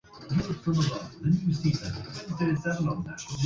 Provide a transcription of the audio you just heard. mkongwe katika utunzi Na ilivyokuwa anaitwa Mzee Yusuf unaweza udhani ni mzee kweli